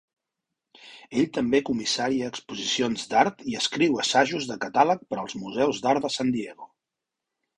Ell també comissaria exposicions d'art i escriu assajos de catàleg per als museus d'art de San Diego.